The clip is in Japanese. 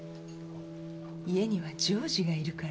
家にはジョージがいるから。